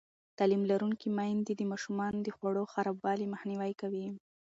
تعلیم لرونکې میندې د ماشومانو د خوړو خرابوالی مخنیوی کوي.